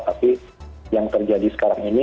tapi yang terjadi sekarang ini